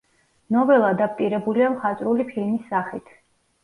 ნოველა ადაპტირებულია მხატვრული ფილმის სახით.